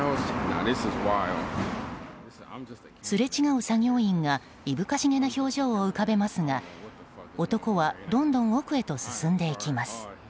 すれ違う作業員がいぶかしげな表情を浮かべますが男はどんどん奥へと進んでいきます。